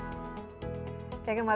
jangan lupa untuk menikmati